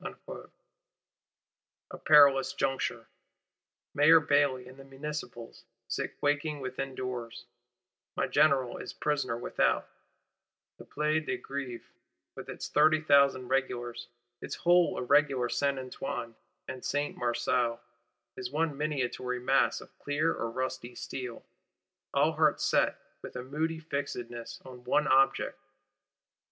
A perilous juncture: Mayor Bailly and the Municipals sit quaking within doors; My General is prisoner without: the Place de Grève, with its thirty thousand Regulars, its whole irregular Saint Antoine and Saint Marceau, is one minatory mass of clear or rusty steel; all hearts set, with a moody fixedness, on one object.